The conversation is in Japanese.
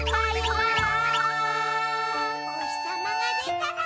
「おひさまがでたら」